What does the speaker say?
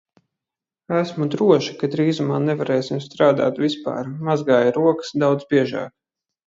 Esmu droša, ka drīzumā nevarēsim strādāt vispār. Mazgāju rokas daudz biežāk.